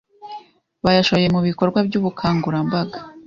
bayashoye mu bikorwa by'ubukangurambaga,